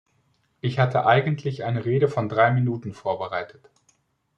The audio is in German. Ich hatte eigentlich eine Rede von drei Minuten vorbereitet.